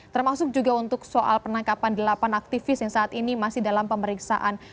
termasuk juga untuk soal penangkapan delapan aktivis yang saat ini masih dalam pemeriksaan